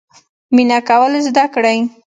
مینه کول زده کړئ